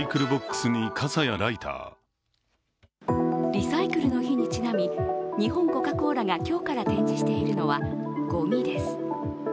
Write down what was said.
リサイクルの日にちなみ、日本コカ・コーラが今日から展示しているのは、ごみです。